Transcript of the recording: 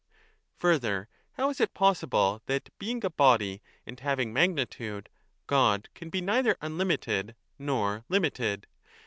Further, how is it possible that, being a body and having magnitude, God can be neither unlimited nor limited